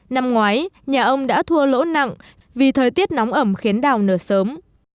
năm ngoái nhà ông đã thua lỗ nặng vì thời tiết nóng ẩm khiến đào nở sớm